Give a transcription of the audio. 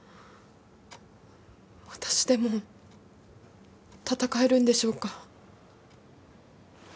私でも闘えるんでしょうか？